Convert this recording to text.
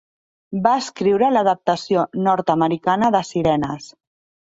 Va escriure l'adaptació nord-americana de "Sirenes".